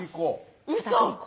うそ！